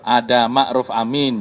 ada maruf amin